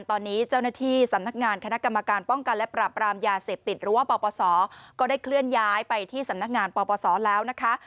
ตอนนี้เจ้าหน้าที่สำนักงานคณะกรรมการป้องกันและปราบรามยาเสพติดหรือว่าปปศก็ได้เคลื่อนย้ายไปที่สำนักงานปปศแล้วนะคะ